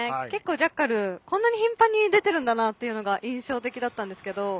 結構、ジャッカルってこんなに頻繁に出ているんだなというのが印象的だったんですが。